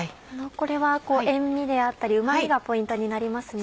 これは塩味であったりうま味がポイントになりますね。